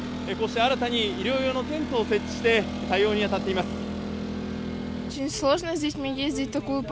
こうして新たに医療用のテントを設置して対応に当たっています。